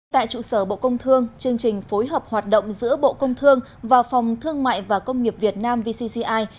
tại trụ sở bộ công thương chương trình phối hợp hoạt động giữa bộ công thương và phòng thương mại và công nghiệp việt nam vcci